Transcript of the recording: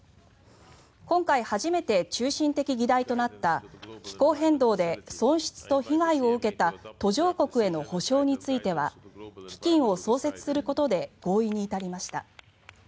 今回初めて中心的議題となった気候変動で損失と被害を受けた途上国への補償については基金を創設することで合意に至りました。